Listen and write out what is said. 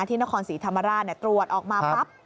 ที่นครศรีธรรมราชตรวจออกมาปั๊บ